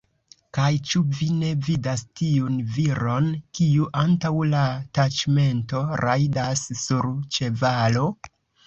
Kaj ĉu vi ne vidas tiun viron, kiu antaŭ la taĉmento rajdas sur ĉevalo?